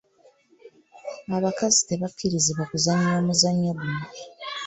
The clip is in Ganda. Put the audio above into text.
Abakazi tebakkirizibwa kuzannya omuzannyo guno.